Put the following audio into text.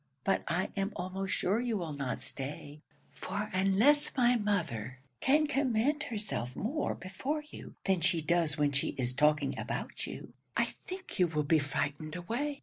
But I am almost sure you will not stay; for unless my mother can command herself more before you than she does when she is talking about you, I think you will be frightened away.